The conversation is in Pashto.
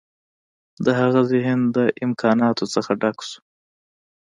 د هغه ذهن د امکاناتو څخه ډک شو